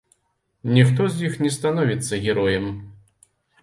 Ніхто з іх не становіцца героем.